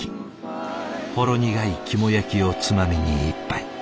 ほろ苦い肝焼きをつまみに１杯。